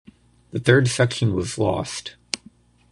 The third section was lost.